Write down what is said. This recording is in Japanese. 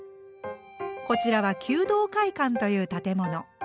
こちらは求道会館という建物。